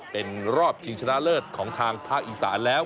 เป็นรอบชิงชนะเลิศของทางภาคอีสานแล้ว